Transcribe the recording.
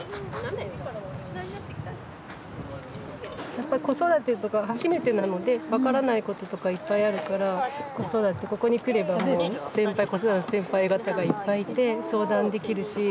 やっぱ子育てとか初めてなので分からないこととかいっぱいあるから子育てここに来ればもう先輩子育ての先輩方がいっぱいいて相談できるし。